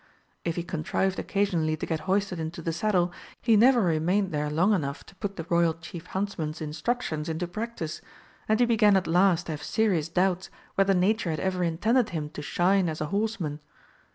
If he contrived occasionally to get hoisted into the saddle, he never remained there long enough to put the Royal Chief Huntsman's instructions into practice, and he began at last to have serious doubts whether Nature had ever intended him to shine as a horseman.